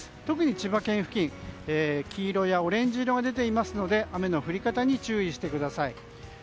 特に千葉県付近、黄色やオレンジ色が出ていますので雨の降り方に注意してください。